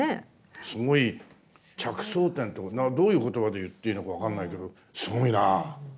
すごい着想点というかどういう言葉で言っていいのか分かんないけどすごいなぁ！